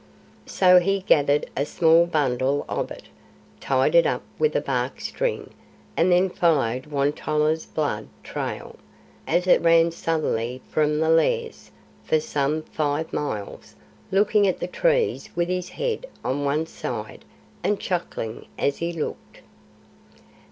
So he gathered a small bundle of it, tied it up with a bark string, and then followed Won tolla's blood trail, as it ran southerly from the Lairs, for some five miles, looking at the trees with his head on one side, and chuckling as he looked.